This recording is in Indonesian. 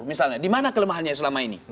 misalnya di mana kelemahannya selama ini